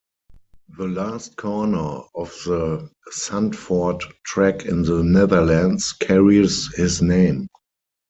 The last corner of the Zandvoort track in the Netherlands carries his name.